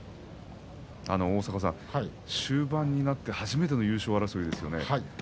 終盤になって初めての優勝争いですよね。